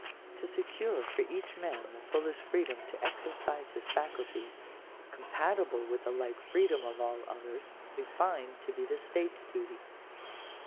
To secure for each man the fullest freedom to exercise his faculties, compa tible with the like freedom of all others, we find to be the state's duty.